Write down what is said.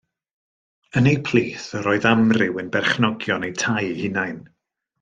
Yn eu plith yr oedd amryw yn berchenogion eu tai eu hunain.